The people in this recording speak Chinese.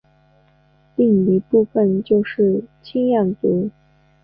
另一部分就是青羌族。